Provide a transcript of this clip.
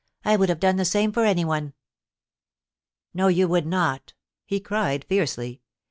I would have done the same for anyone.' * No, you would not !' he cried fiercely.